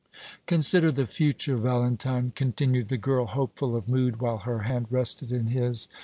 "Consider the future, Valentine," continued the girl, hopeful of mood while her hand rested in his.